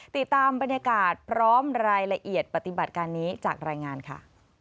ติดตามบรรยากาศพร้อมรายละเอียดปฏิบัติการนี้จากรายงานค่ะ